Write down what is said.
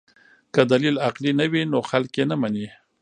که دلیل عقلي نه وي نو خلک یې نه مني.